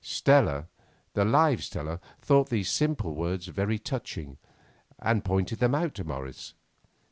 Stella, the live Stella, thought these simple words very touching, and pointed them out to Morris.